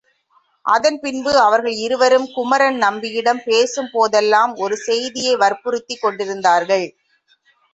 அதன் பின்பும் அவர்கள் இருவரும் குமரன் நம்பியிடம் பேசும்போதெல்லாம் ஒரு செய்தியை வற்புறுத்திக் கொண்டிருந்தார்கள்.